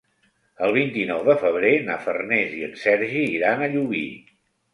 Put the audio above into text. El vint-i-nou de febrer na Farners i en Sergi iran a Llubí.